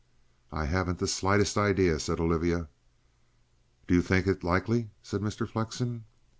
"I haven't the slightest idea," said Olivia. "Do you think it likely?" said Mr. Flexen.